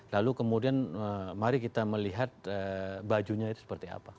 lalu kemudian mari kita melihat bajunya itu seperti apa